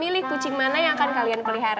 pilih kucing mana yang akan kalian pelihara